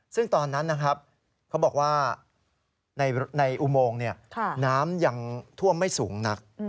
ซึ่งตอนนั้นนะครับเขาบอกว่าในอุโมงน้ำยังท่วมไม่สูงนัก